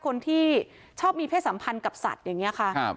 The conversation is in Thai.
คนที่ชอบมีเพศสัมพันธ์กับสัตว์อย่างนี้ค่ะ